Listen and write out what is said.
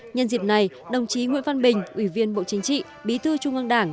nhân dịp này đồng chí nguyễn văn bình ủy viên bộ chính trị bí thư trung ương đảng